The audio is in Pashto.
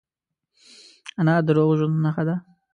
انار د روغ ژوند نښه ده.